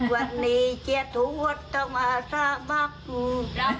วันนี้เฮียดตุ๊กว๊ัดตั้งมาส่ามากอยู่